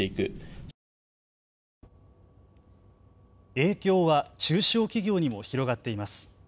影響は中小企業にも広がっています。